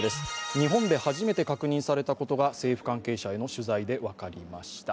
日本で初めて確認されたことが政府関係者への取材で分かりました。